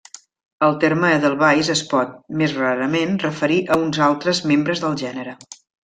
El terme edelweiss es pot, més rarament, referir a uns altres membres del gènere.